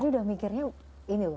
saya tadi sudah mikirnya ini loh